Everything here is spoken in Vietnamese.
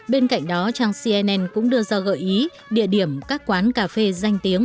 bên cạnh đó trang cnn cũng đưa ra gợi ý địa điểm các quán cà phê danh tiếng